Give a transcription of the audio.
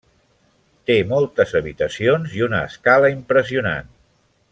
Té moltes habitacions i una escala impressionant.